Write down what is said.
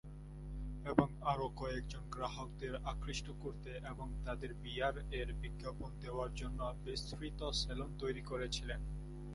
এবং আরও কয়েকজন গ্রাহকদের আকৃষ্ট করতে এবং তাদের বিয়ার-এর বিজ্ঞাপন দেওয়ার জন্য বিস্তৃত সেলুন তৈরি করেছিলেন।